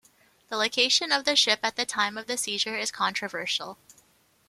The location of the ship at the time of the seizure is controversial.